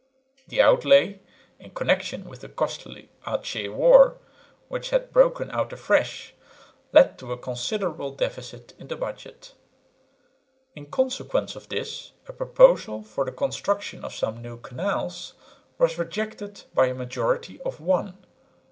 The outlay in connection with the costly Achin war, which had broken out afresh, led to a considerable deficit in the budget. In consequence of this a proposal for the construction of some new canals was rejected by a majority of one.